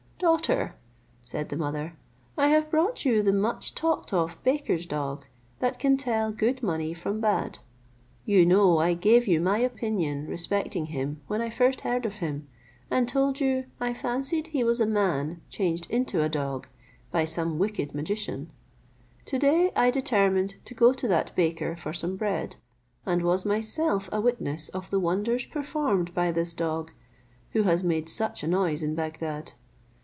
"Daughter," said the mother, "I have brought you the much talked of baker's dog, that can tell good money from bad. You know I gave you my opinion respecting him when I first heard of him, and told you, I fancied he was a man changed into a dog by some wicked magician. To day I determined to go to that baker for some bread, and was myself a witness of the wonders performed by this dog, who has made such a noise in Bagdad.